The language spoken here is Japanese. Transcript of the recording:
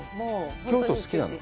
京都好きなの？